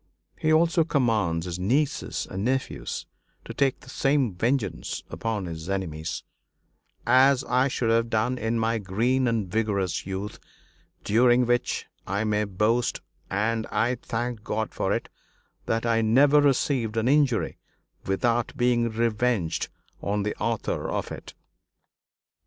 He also commands his nieces and nephews to take the same vengeance upon his enemies "as I should have done in my green and vigorous youth, during which I may boast, and I thank God for it, that I never received an injury without being revenged on the author of it."